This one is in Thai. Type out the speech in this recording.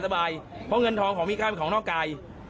เพราะเงินทองของมีค่าเป็นของนอกกาย